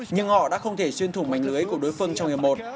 nhưng họ đã không thể xuyên thủng mảnh lưới cuộc đối phương trong hiệp một